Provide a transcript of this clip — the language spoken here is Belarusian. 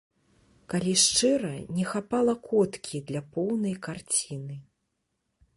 Калі шчыра, не хапала коткі для поўнай карціны.